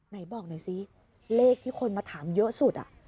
ไหนบอกหน่อยสิเลขที่คนมาถามเยอะสุด